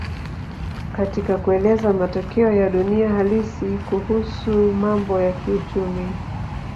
Katika kueleza matokeo ya dunia halisi kuhusu mambo ya kiuchumi